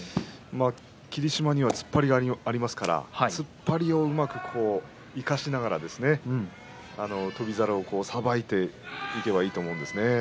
霧島には突っ張りがありますから突っ張りをうまく生かしながら翔猿をさばいていけばいいと思うんですね。